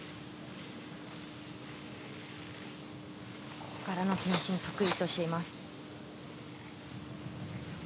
ここからの前進を得意としています。